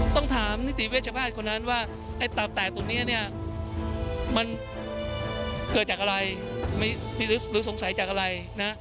ต้องถามนิติเวชแพทย์คนนั้นว่าไอ้ตับแตกตรงนี้เนี่ยมันเกิดจากอะไรหรือสงสัยจากอะไรนะ